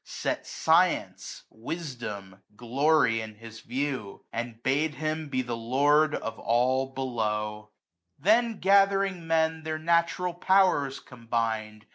Set science, wifdom, glory, in his view. And bade him be the Lord of all below* 95 Then gathering men their natural powers combined